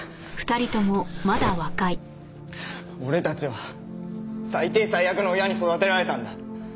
俺たちは最低最悪の親に育てられたんだ。